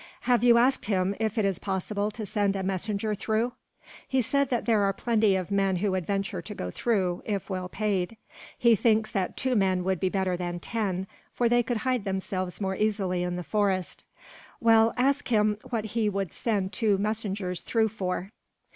"Have you asked him if it is possible to send a messenger through?" "He said that there are plenty of men who would venture to go through, if well paid. He thinks that two men would be better than ten, for they could hide themselves more easily in the forest." "Well, ask him what he would send two messengers through for."